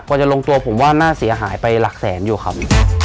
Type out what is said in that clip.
พอจะลงตัวผมว่าน่าเสียหายไปหลักแสนอยู่ครับ